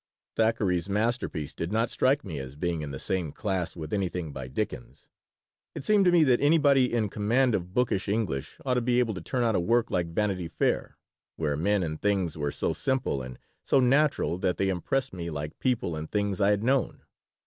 Thackeray's masterpiece did not strike me as being in the same class with anything by Dickens. It seemed to me that anybody in command of bookish English ought to be able to turn out a work like Vanity Fair, where men and things were so simple and so natural that they impressed me like people and things I had known.